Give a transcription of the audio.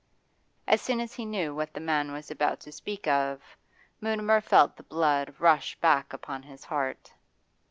As soon as he knew what the man was about to speak of, Mutimer felt the blood rush back upon his heart.